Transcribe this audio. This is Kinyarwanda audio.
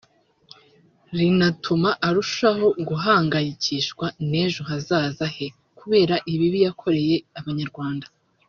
rinatuma arushaho guhangayikishwa n’ejo hazaza he kubera ibibi yakoreye abanyarwanda